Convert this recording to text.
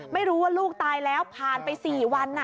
ไม่รู้ว่าลูกตายแล้วผ่านไป๔วัน